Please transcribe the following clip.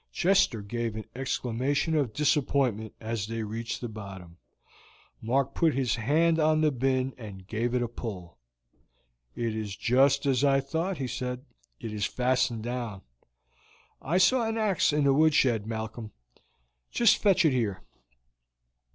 Chester gave an exclamation of disappointment as they reached the bottom. Mark put his hand on the bin and gave it a pull. "It is just as I thought," he said. "It is fastened down. I saw an ax in the woodshed, Malcolm; just fetch it here."